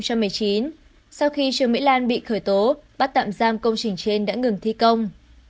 sau khi trương mỹ lan bị khởi tố bắt tạm giam công trình trên đã ngừng thi công